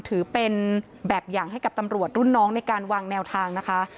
ถือเป็นแบบอย่างให้กับตำรวจรุ่นน้องในการวางแนวทางนะคะ